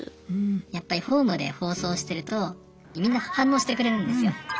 やっぱりホームで放送してるとみんな反応してくれるんですよ。